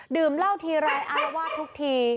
ดื่มเหล้าทีไรอารวาสทุกที